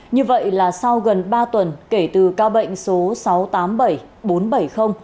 như vậy là sau gần ba tuần kể từ ca bệnh số sáu trăm tám mươi bảy bốn trăm bảy mươi